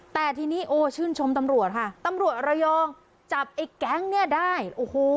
แต่ทีนี้โอ้ชื่นชมตำรวจค่ะตำรวจระยองจับไอ้แก๊งเนี่ยได้โอ้โห